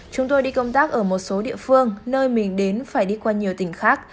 chúng tôi đi công tác ở một số địa phương nơi mình đến phải đi qua nhiều tỉnh khác